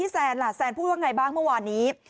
แซนพูดว่าง่ายบ้างเมื่อวานนี้